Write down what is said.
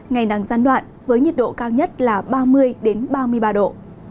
ngày nắng gián đoạn với nhiệt độ cao nhất là ba mươi ba mươi ba độ